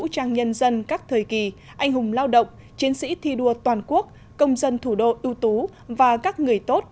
thân các thời kỳ anh hùng lao động chiến sĩ thi đua toàn quốc công dân thủ đô ưu tú và các người tốt